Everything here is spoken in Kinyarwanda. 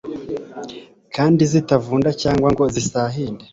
kandi zitavunda cyangwa ngo zisahinde